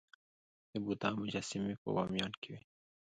د بودا مجسمې په بامیان کې وې